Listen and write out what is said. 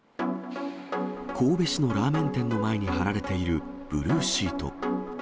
神戸市のラーメン店の前に張られているブルーシート。